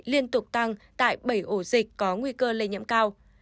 liên tục tăng tại bảy ổ dịch có nguy cơ lây nhiễm cao